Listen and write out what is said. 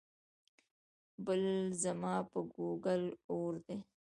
بل ځما په ګوګل اور وي